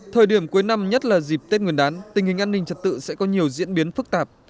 thời điểm cuối năm nhất là dịp tết nguyên đán tình hình an ninh trật tự sẽ có nhiều diễn biến phức tạp